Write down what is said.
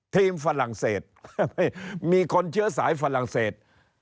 ฝรั่งเศสมีคนเชื้อสายฝรั่งเศส